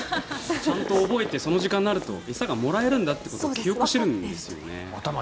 ちゃんと覚えてその時間になると餌がもらえるんだと記憶しているんですよね。